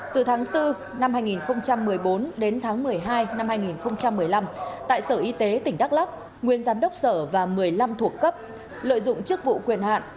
từ tháng bốn năm hai nghìn một mươi bốn đến tháng một mươi hai năm hai nghìn một mươi năm tại sở y tế tỉnh đắk lắc nguyên giám đốc sở và một mươi năm thuộc cấp lợi dụng chức vụ quyền hạn